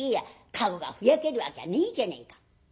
駕籠がふやけるわけはねえじゃねえか。